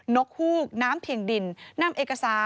กฮูกน้ำเพียงดินนำเอกสาร